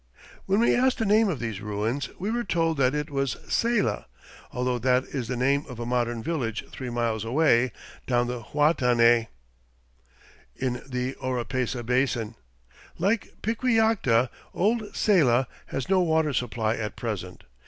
When we asked the name of these ruins we were told that it was Saylla, although that is the name of a modern village three miles away, down the Huatanay, in the Oropesa Basin. Like Piquillacta, old Saylla has no water supply at present.